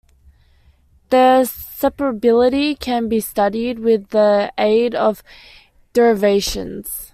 The separability can be studied with the aid of derivations.